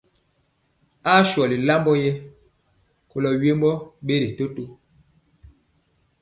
Aa sɔli lambɔ yɛ kolɔ wembɔ ɓeri toto.